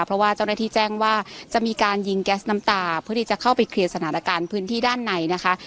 เพราะว่าเจ้าหน้าที่แจ้งว่าจะมีการยิงแก๊สน้ำตาเพื่อที่จะเข้าไปเคลียร์สถานการณ์พื้นที่ด้านในนะคะ